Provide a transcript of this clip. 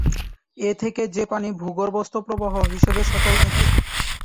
এ থেকে যে পানি ভূগর্ভস্থ প্রবাহ হিসেবে সচল থাকে।